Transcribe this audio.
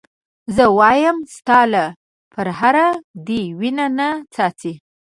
زه وایم ستا له پرهره دې وینه نه څاڅي.